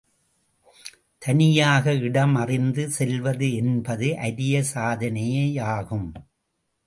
தனியாக இடம் அறிந்து செல்வது என்பது அரிய சாதனையே யாகும்.